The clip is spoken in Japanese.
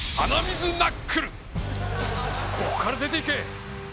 ここから出ていけ！